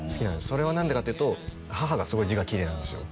それは何でかというと母がすごい字がきれいなんですよ